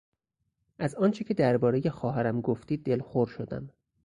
از آنچه که دربارهی خواهرم گفتی دلخور شدم.